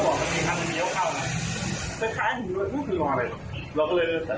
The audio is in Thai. มันน่าจะซุ่มเหรอครับ